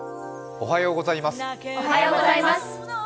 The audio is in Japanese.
おはようございます。